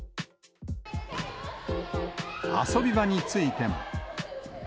遊び場についても。